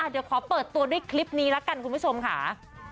เดี๋ยวขอเปิดตัวด้วยคลิปนี้ละกันคุณผู้ชมค่ะ